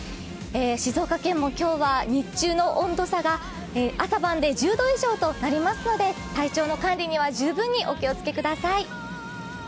静岡県も今日は日中の温度差が朝晩で１０度以上となりますので体調の管理には十分にお気をつけください。